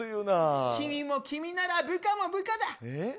君も君なら、部下も部下だ。